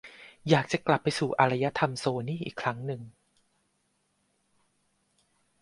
อยากจะกลับไปสู่อารยธรรมโซนี่อีกครั้งหนึ่ง